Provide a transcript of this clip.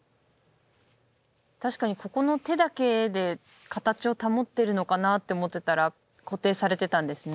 確かにここの手だけで形を保ってるのかなって思ってたら固定されてたんですね。